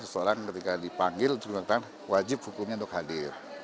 seseorang ketika dipanggil wajib hukumnya untuk hadir